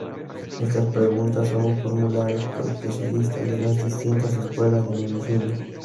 Estas preguntas son formuladas por especialistas de las distintas escuelas de medicina.